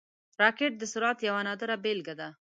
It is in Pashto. راکټ د سرعت یوه نادره بیلګه ده